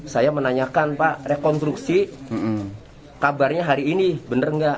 saya menanyakan pak rekonstruksi kabarnya hari ini benar nggak